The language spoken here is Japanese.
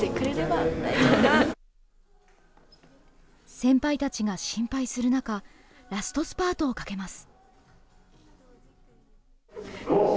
先輩たちが心配する中、ラストスパートをかけます。